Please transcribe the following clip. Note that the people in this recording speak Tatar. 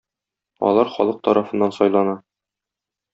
Алар халык тарафыннан сайлана.